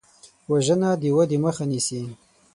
وژنه د ودې مخه نیسي